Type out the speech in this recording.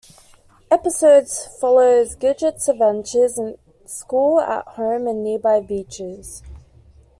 Episodes follow Gidget's adventures in school, at home, and at nearby beaches.